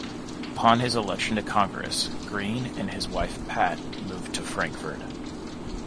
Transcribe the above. Upon his election to Congress, Green and his wife Pat moved to Frankford.